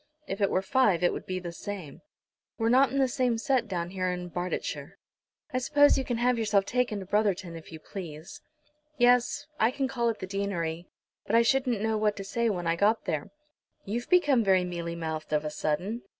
"If it were five it would be the same. We're not in the same set down in Barsetshire." "I suppose you can have yourself taken to Brotherton if you please?" "Yes, I can call at the deanery; but I shouldn't know what to say when I got there." "You've become very mealy mouthed of a sudden."